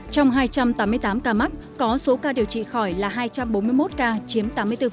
trong hai trăm tám mươi tám ca mắc có số ca điều trị khỏi là hai trăm bốn mươi một ca chiếm tám mươi bốn